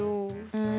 うん。